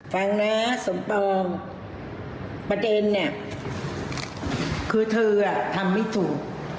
ฟังนะสมปองประเด็นเนี่ยคือเธอทำไม่ถูก